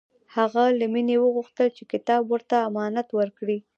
هغه له مینې وغوښتل چې کتاب ورته امانت ورکړي